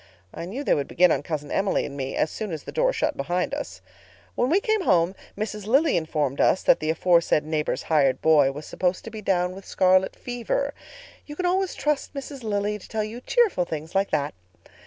I knew they would begin on Cousin Emily and me as soon as the door shut behind us. When we came home Mrs. Lilly informed us that the aforesaid neighbor's hired boy was supposed to be down with scarlet fever. You can always trust Mrs. Lilly to tell you cheerful things like that.